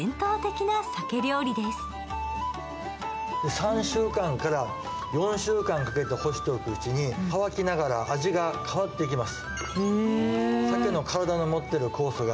３週間から４週間かけて干していくうちに乾きながら味が変わってきます。